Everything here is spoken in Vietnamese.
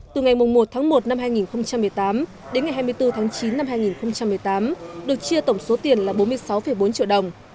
từ ngày một tháng một năm hai nghìn một mươi tám đến ngày hai mươi bốn tháng chín năm hai nghìn một mươi tám được chia tổng số tiền là bốn mươi sáu bốn triệu đồng